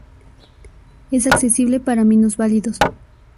Es accesible para minusválidos.